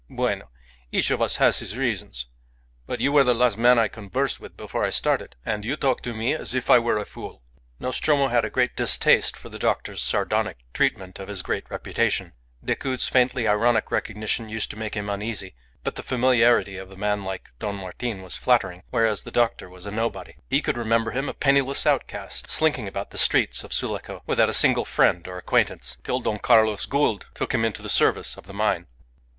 Bueno! Each of us has his reasons. But you were the last man I conversed with before I started, and you talked to me as if I were a fool." Nostromo had a great distaste for the doctor's sardonic treatment of his great reputation. Decoud's faintly ironic recognition used to make him uneasy; but the familiarity of a man like Don Martin was flattering, whereas the doctor was a nobody. He could remember him a penniless outcast, slinking about the streets of Sulaco, without a single friend or acquaintance, till Don Carlos Gould took him into the service of the mine.